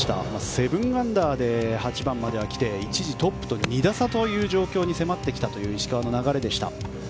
７アンダーで８番までは来て一時トップと２打差という状況に迫った石川の流れでした。